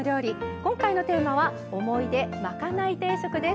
今回のテーマは「思い出まかない定食」です。